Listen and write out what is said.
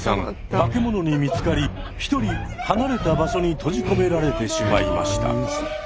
化け物に見つかり一人離れた場所に閉じ込められてしまいました。